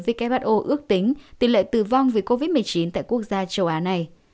who ước tính tỷ lệ tử vong vì covid một mươi chín tại quốc gia châu á này